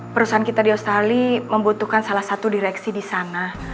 perusahaan kita di australia membutuhkan salah satu direksi di sana